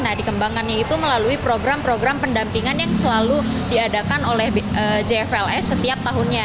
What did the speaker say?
nah dikembangkannya itu melalui program program pendampingan yang selalu diadakan oleh jfls setiap tahunnya